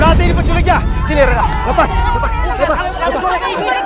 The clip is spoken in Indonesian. berhenti di penculiknya sini rena lepas lepas lepas